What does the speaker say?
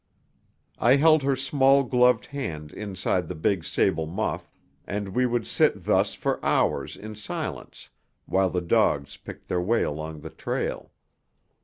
I held her small gloved hand inside the big sable muff, and we would sit thus for hours in silence while the dogs picked their way along the trail.